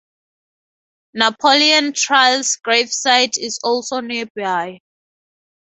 Napoleon Trails Gravesite is also nearby.